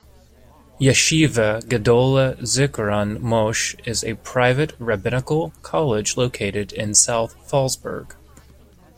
Yeshiva Gedolah Zichron Moshe is a private rabbinical college located in South Fallsburg.